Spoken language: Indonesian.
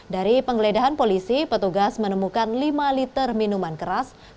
dari penggeledahan polisi petugas menemukan lima liter minuman keras